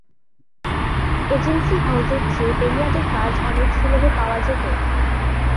Agency হাউসের চেয়ে বেনিয়াদের কাজ অনেক সুলভে পাওয়া যেত।